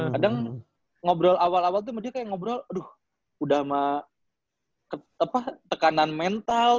kadang ngobrol awal awal tuh mereka kayak ngobrol aduh udah sama tekanan mental